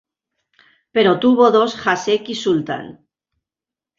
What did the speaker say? Pero tuvo dos Haseki Sultan.